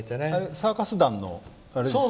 サーカス団のあれですよね。